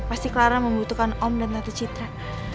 pasti clara membutuhkan om dan satu citra